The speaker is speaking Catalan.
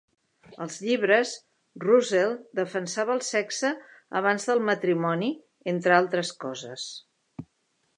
Als llibres, Russell defensava el sexe abans del matrimoni, entre altres coses.